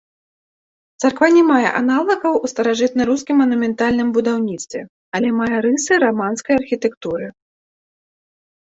Царква не мае аналагаў у старажытна-рускім манументальным будаўніцтве, але мае рысы раманскай архітэктуры.